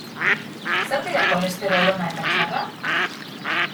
Zer dira kolesterol ona eta txarra?